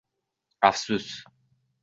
Afsus!